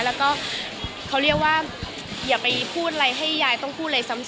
แล้วก็เขาเรียกว่าอย่าไปพูดอะไรให้ยายต้องพูดเลยซ้ำ